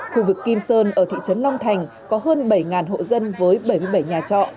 khu vực kim sơn ở thị trấn long thành có hơn bảy hộ dân với bảy mươi bảy nhà trọ